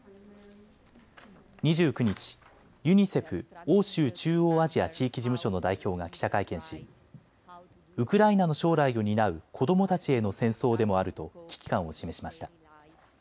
２９日、ユニセフ欧州・中央アジア地域事務所の代表が記者会見し、ウクライナの将来を担う子どもたちへの戦争でもあると危機感を示しました。